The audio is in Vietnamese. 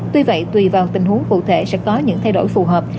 tuy vậy tùy vào tình huống cụ thể sẽ có những thay đổi phù hợp